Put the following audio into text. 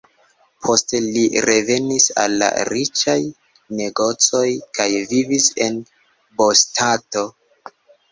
Poste li revenis al la riĉaj negocoj kaj vivis en bonstato.